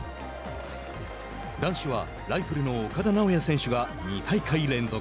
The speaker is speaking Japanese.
男子は、ライフルの岡田直也選手が２大会連続。